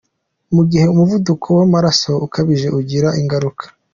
Mu gihe umuvuduko w’amaraso ukabije ugira ingaruka.